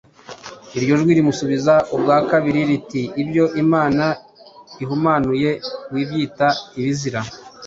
Iryo jwi rimusubiza ubwa kabiri riti: “Ibyo Imana ihumanuye, wibyita ibizira.”